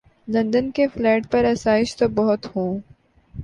London کے flat پر آسائش تو بہت ہوں۔